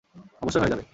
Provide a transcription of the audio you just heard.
অবশ্যই হয়ে যাবে।